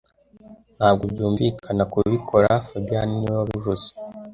Ntabwo byumvikana kubikora fabien niwe wabivuze